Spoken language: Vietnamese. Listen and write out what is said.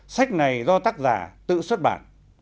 sách này do tác giả tự xuất bản